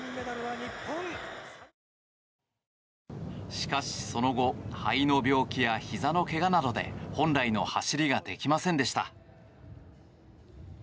しかし、その後肺の病気やひざの怪我などで本来の走りができませんでした。